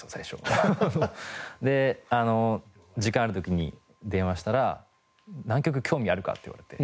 アハハ。で時間ある時に電話したら「南極興味あるか？」って言われて。